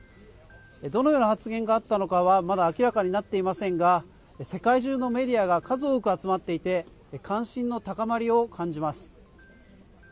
どのような発言があったのかはまだ明らかになっていませんが世界中のメディアが数多く集まっていて関心の高まりを感じます。